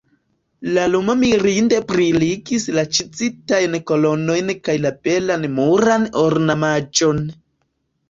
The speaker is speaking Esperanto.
La lumo mirinde briligis la ĉizitajn kolonojn kaj la belan muran ornamaĵon.